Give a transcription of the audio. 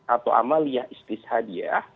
atau amalia istisadiyah